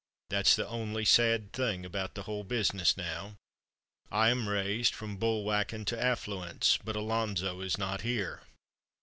That's the only sad thing about the whole business now. I am raised from bull whacking to affluence, but Alonzo is not here.